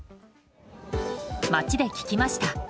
街で聞きました。